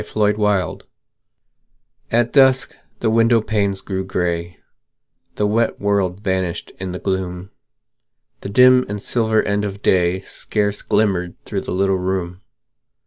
FORGIVENESS At dusk the window panes grew grey; The wet world vanished in the gloom; The dim and silver end of day Scarce glimmered through the little room.